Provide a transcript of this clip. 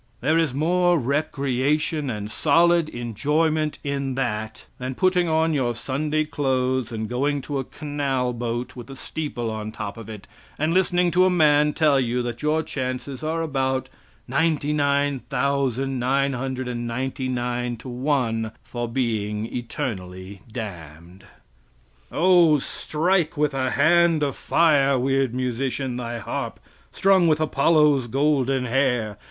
There is more recreation and solid enjoyment in that than putting on your Sunday clothes and going to a canal boat with a steeple on top of it and listening to a man tell you that your chances are about ninety nine thousand nine hundred and ninety nine to one for being eternally damned! Oh, strike with a hand of fire, weird musician, thy harp, strung with Apollo's golden hair!